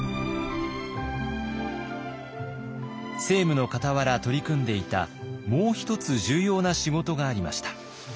政務のかたわら取り組んでいたもう一つ重要な仕事がありました。